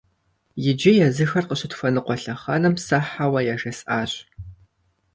Иджы, езыхэр къыщытхуэныкъуэ лъэхъэнэм, сэ «хьэуэ» яжесӀащ!